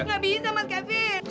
nggak bisa mas kevin